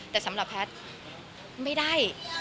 แต่สำหรับแพทย์ไม่ได้